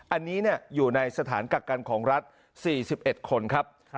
อันนี้อยู่ในสถานกักกันของรัฐ๔๑คนครับ